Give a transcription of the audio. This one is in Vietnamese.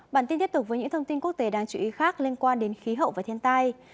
bản tin tiếp tục với những thông tin quốc tế đáng chú ý khác liên quan đến khí hậu và thiên tai